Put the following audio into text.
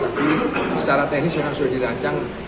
tapi secara teknis memang sudah dirancang